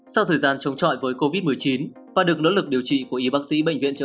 sau thời gian chống chọi với covid một mươi chín và được nỗ lực điều trị của y bác sĩ bệnh viện trợ